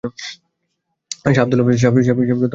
শাহ আবদুল্লাহ সাপের উপর তাঁর ক্ষমতার জন্য বিশেষভাবে বিখ্যাত।